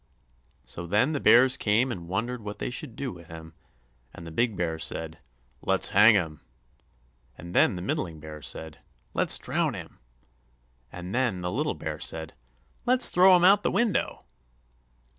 _" So then the bears came and wondered what they should do with him; and the big bear said: "Let's hang him!" and then the middling bear said: "Let's drown him!" and then the little bear said: "Let's throw him out of the window."